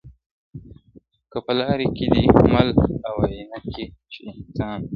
که په لاري کي دي مل و آیینه کي چي انسان دی,